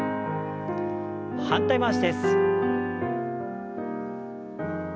反対回しです。